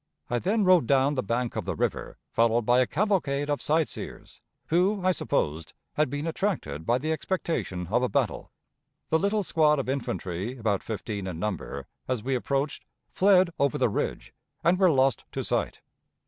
I then rode down the bank of the river, followed by a cavalcade of sight seers, who, I supposed, had been attracted by the expectation of a battle. The little squad of infantry, about fifteen in number, as we approached, fled over the ridge, and were lost to sight.